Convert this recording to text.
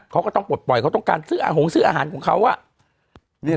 เขาก็ต้องปลดปล่อยเขาต้องการซื้ออาหารซื้ออาหารของเขาอ่ะ